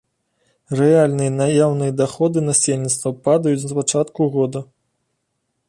Рэальныя наяўныя даходы насельніцтва падаюць з пачатку года.